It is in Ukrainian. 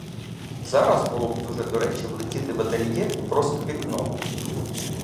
Зараз було б дуже до речі влетіти в ательє просто вікном.